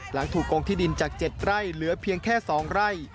หลังถูกโกงที่ดินจาก๗ไร่เหลือเพียงแค่๒ไร่